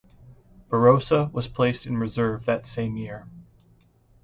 "Barrosa" was placed in Reserve that same year.